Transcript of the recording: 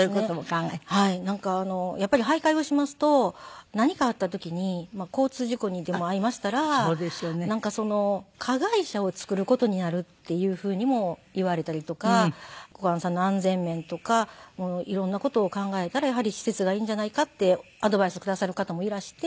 なんかやっぱり徘徊をしますと何かあった時に交通事故にでも遭いましたら加害者を作る事になるっていうふうにも言われたりとか小雁さんの安全面とか色んな事を考えたらやはり施設がいいんじゃないかってアドバイスをくださる方もいらして。